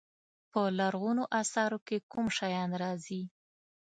په لرغونو اثارو کې کوم شیان راځي.